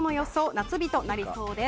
夏日となりそうです。